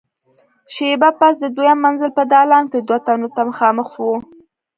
شېبه پس د دويم منزل په دالان کې دوو تنو ته مخامخ وو.